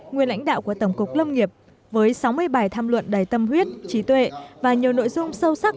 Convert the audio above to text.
nguyên lãnh đạo của tổng cục lâm nghiệp với sáu mươi bài tham luận đầy tâm huyết trí tuệ và nhiều nội dung sâu sắc